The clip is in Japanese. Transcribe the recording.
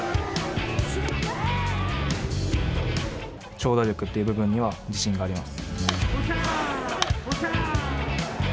長打力という部分には自信があります。